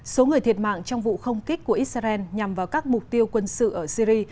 số người thiệt mạng trong vụ không kích của israel nhằm vào các mục tiêu quân sự ở syri